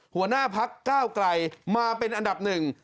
หัวหน้าพักก้าวไกลมาเป็นอันดับหนึ่ง